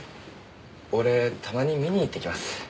俺たまに見に行ってきます。